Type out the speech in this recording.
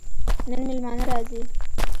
نن مېلمانه راځي